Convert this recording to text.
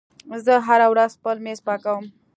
زه هره ورځ خپل میز پاکوم.